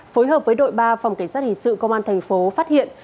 phối hợp với đội ba phòng cảnh sát hình sự công an thành phố phát hiện